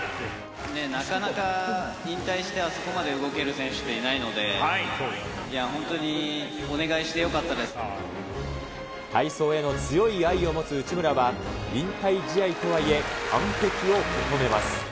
なかなか引退して、あそこまで動ける選手っていないので、本当にお願いしてよかった体操への強い愛を持つ内村は、引退試合とはいえ、完璧を求めます。